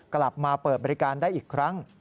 กลับมาเปิดบริการได้อีกครั้ง